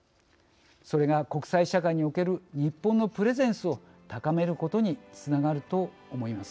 それが国際社会における日本のプレゼンスを高めることにつながると思います。